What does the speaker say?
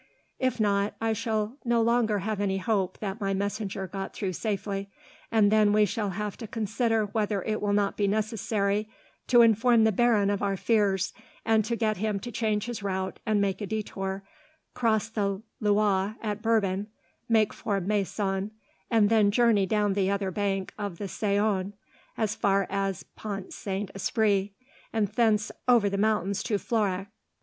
If not, I shall no longer have any hope that my messenger got through safely, and then we shall have to consider whether it will not be necessary to inform the baron of our fears, and to get him to change his route and make a detour, cross the Loire at Bourbon, make for Maison, and then journey down on the other bank of the Saone as far as Pont Saint Esprit, and thence over the mountains to Florac."